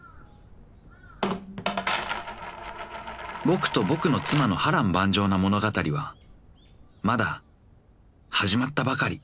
［僕と僕の妻の波瀾万丈な物語はまだ始まったばかり］